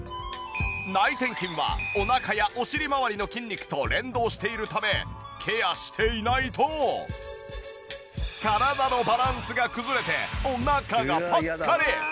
内転筋はお腹やお尻まわりの筋肉と連動しているためケアしていないと体のバランスが崩れてお腹がぽっこり！